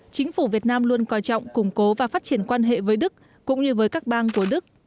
chính phủ việt nam luôn coi trọng củng cố và phát triển quan hệ với đức cũng như với các bang của đức